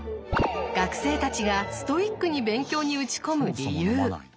学生たちがストイックに勉強に打ち込む理由。